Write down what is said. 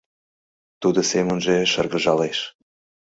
Тудо семынже шыргыжалеш.